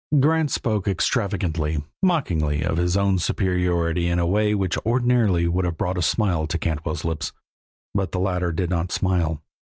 Grant spoke extravagantly, mockingly, of his own superiority in a way which ordinarily would have brought a smile to Cantwell's lips, but the latter did not smile.